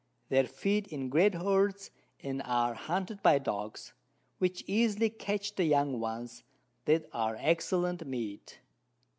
They feed in great Herds, and are hunted by Dogs, which easily catch the young ones, that are excellent Meat.